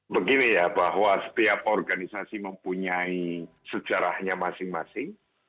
begini ya bahwa setiap organisasi mempunyai sejarahnya masing masing